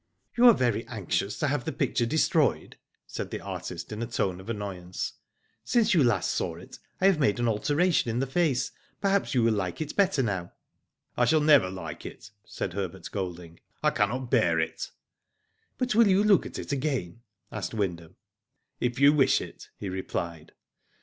"You are very anxious to have the picture destroyed?" said the artist, in a tone of annoy ance. "Since you last saw it, I have made an Digitized byGoogk FACE TO FACE. 237 alteration in the face, perhaps you will like it bclier now." " I shall never like it," said Herbert Golding. "I cannot bear it." *' But you will look at it again ?" asked Wyndham. '* If you wish it," he replied.